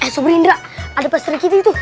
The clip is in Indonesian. sobrindra ada pas terdekat itu